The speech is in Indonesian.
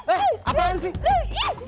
eh apaan sih